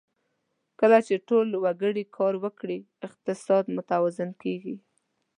کله چې ټول وګړي کار وکړي، اقتصاد متوازن کېږي.